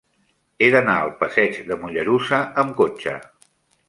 He d'anar al passeig de Mollerussa amb cotxe.